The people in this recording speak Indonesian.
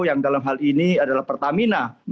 yang dalam hal ini adalah pertamina